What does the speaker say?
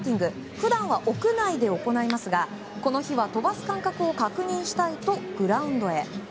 普段は屋内で行いますがこの日は飛ばす感覚を確認したいとグラウンドへ。